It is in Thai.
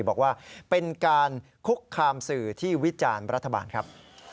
บอกว่าเป็นการคุกคามสื่อที่วิจารณ์รัฐบาลครับ